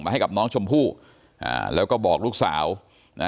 ให้กับน้องชมพู่อ่าแล้วก็บอกลูกสาวนะ